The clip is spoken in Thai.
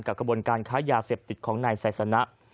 กระบวนการค้ายาเสพติดของนายไซสนะ